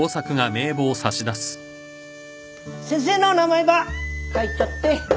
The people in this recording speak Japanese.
先生の名前ば書いちょって。